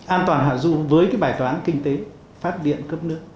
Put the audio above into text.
an toàn hạ du với cái bài toán kinh tế phát điện cấp nước